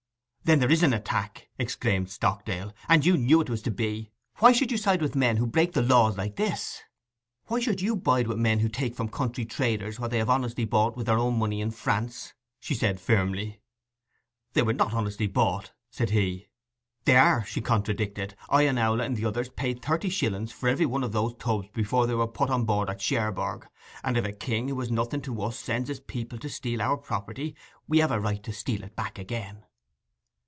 'Then there is an attack!' exclaimed Stockdale; 'and you knew it was to be. Why should you side with men who break the laws like this?' 'Why should you side with men who take from country traders what they have honestly bought wi' their own money in France?' said she firmly. 'They are not honestly bought,' said he. 'They are,' she contradicted. 'I and Owlett and the others paid thirty shillings for every one of the tubs before they were put on board at Cherbourg, and if a king who is nothing to us sends his people to steal our property, we have a right to steal it back again.